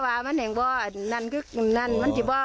โดยที่ไหนบอกว่านั่นนั่นมันจิบว่า